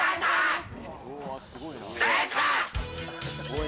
失礼します。